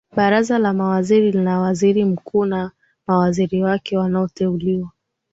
Baraza la mawaziri lina waziri mkuu na mawaziri wake wanaoteuliwa